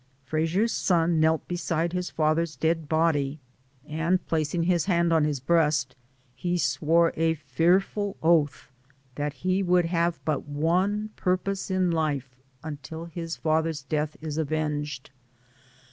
Frasier's son knelt beside his father's dead body, and placing his hand on his breast, he swore a fearful oath that he would have but one purpose in life until his father's death is avenged.